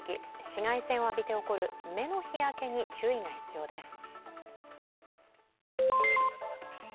紫外線を浴びて起こる目の日焼けに注意が必要です。